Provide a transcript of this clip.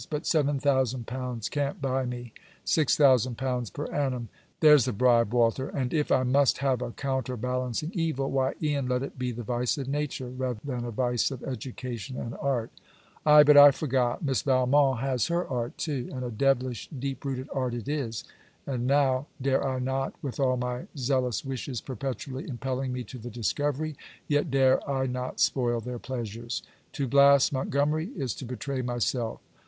But seven thousand pounds can't buy me. Six thousand pounds per annum! There's the bribe, Walter. And if I must have a counter balancing evil, why e'en let it be the vice of nature, rather than a vice of education and art. Ay: but I forgot. Miss Valmont has her art too; and a devilish deep rooted art it is. And now dare I not, with all my zealous wishes perpetually impelling me to the discovery, yet dare I not spoil their pleasures. To blast Montgomery is to betray myself.